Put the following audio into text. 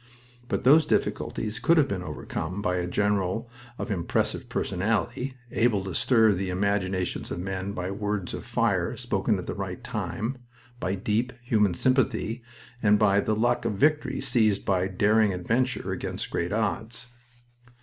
But those difficulties could have been overcome by a general of impressive personality, able to stir the imaginations of men by words of fire spoken at the right time, by deep, human sympathy, and by the luck of victory seized by daring adventure against great odds.